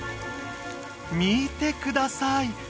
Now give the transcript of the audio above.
見てください